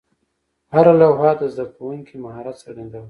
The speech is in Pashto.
هره لوحه د زده کوونکي مهارت څرګنداوه.